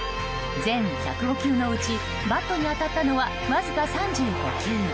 全１０５球のうちバットに当たったのはわずか３５球。